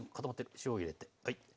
塩入れてはい。